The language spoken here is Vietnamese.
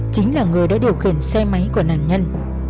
chính là người đã điều khiển xe máy của nạn nhân